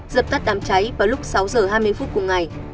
dập tắt đám cháy vào lúc sáu giờ hai mươi phút cùng ngày